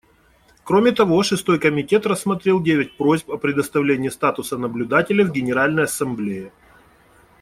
Кроме того, Шестой комитет рассмотрел девять просьб о предоставлении статуса наблюдателя в Генеральной Ассамблее.